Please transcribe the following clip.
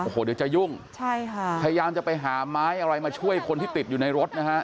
โอ้โหเดี๋ยวจะยุ่งใช่ค่ะพยายามจะไปหาไม้อะไรมาช่วยคนที่ติดอยู่ในรถนะฮะ